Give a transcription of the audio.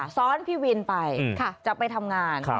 ซ้อนพี่วินไปค่ะจะไปทำงาน